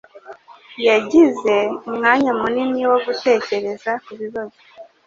yagize umwanya munini wo gutekereza kubibazo.